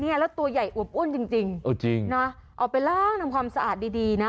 แล้วตัวใหญ่อวบอ้วนจริงจริงเออจริงนะเอาไปล้างทำความสะอาดดีดีนะ